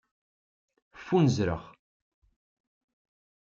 Ffunzreɣ.